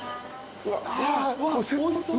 おいしそう！